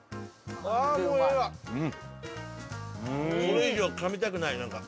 これ以上噛みたくないなんか。